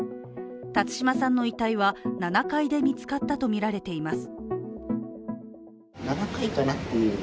辰島さんの遺体は７階で見つかったとみられています。